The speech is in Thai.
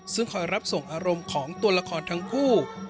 ซึ่งคอยรับส่งอารมณ์ของตัวละครทั้งคู่